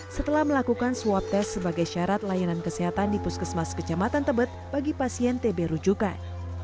setelah melakukan swab test sebagai syarat layanan kesehatan di puskesmas kecamatan tebet bagi pasien tb rujukan